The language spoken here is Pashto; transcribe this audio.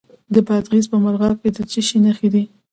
د بادغیس په مرغاب کې د څه شي نښې دي؟